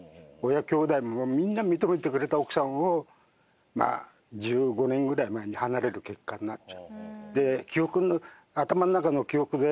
親兄弟もみんな認めてくれた奥さんをまあ１５年ぐらい前に離れる結果になっちゃってで頭の中の記憶で